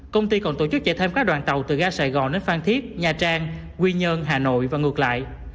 công ty còn tổ chức chạy thêm các đoàn tàu từ ga sài gòn đến phan thiết nha trang quy nhơn hà nội và ngược lại